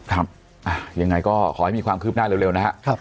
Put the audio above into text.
ครับยังไงก็ขอให้มีความคืบหน้าเร็วนะครับ